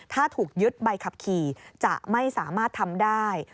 ถ้าถูกยึดใบขับขี่จะไม่สามารถทำได้